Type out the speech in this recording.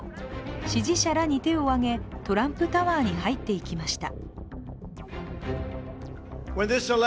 支持者らに手を挙げ、トランプタワーに入っていきました。